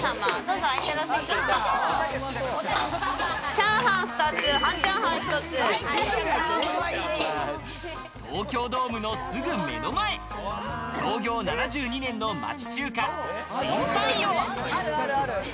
チャーハン２つ、半チャーハ東京ドームのすぐ目の前、創業７２年の町中華・新三陽。